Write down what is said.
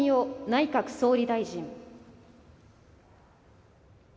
内閣総理大臣。